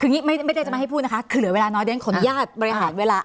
คืออย่างนี้ไม่ได้จะไม่ให้พูดนะคะคือเหลือเวลาน้อยเดี๋ยวฉันขออนุญาตบริหารเวลา